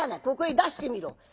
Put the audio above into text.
ここへ出してみろ。